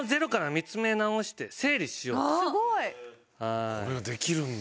すごい！これができるんだ。